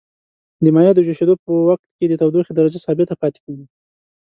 د مایع د جوشیدو په وقت کې د تودوخې درجه ثابته پاتې کیږي.